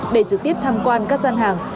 để trực tiếp tham quan các gian hàng